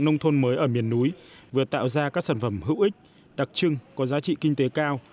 nông thôn mới ở miền núi vừa tạo ra các sản phẩm hữu ích đặc trưng có giá trị kinh tế cao